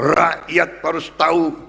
rakyat harus tau